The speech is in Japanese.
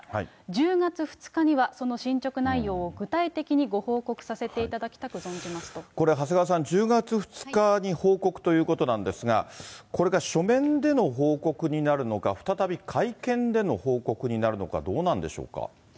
１０月２日にはその進捗内容を具体的にご報告させていただきたくこれ、長谷川さん、１０月２日に報告ということなんですが、これが書面での報告になるのか、再び会見での報告になるのか、どうなんでしょうか。